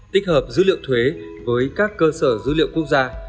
tích hợp dữ liệu thuế với các cơ sở dữ liệu quốc gia